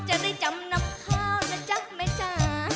จะได้จำนับเท่านะจ๊ะไหมจ๊ะ